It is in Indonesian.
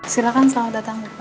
silahkan selamat datang bapak ibu